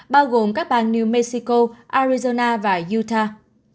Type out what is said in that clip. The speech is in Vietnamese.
bao gồm các bang new mexico arizona và utah